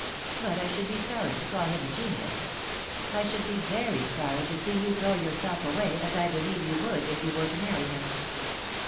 But I should be sorry to call him a genius. I should be very sorry to see you throw yourself away, as I believe you would if you were to marry him."